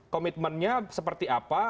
komitmennya seperti apa